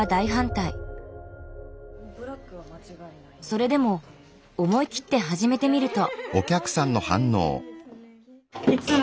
それでも思い切って始めてみると。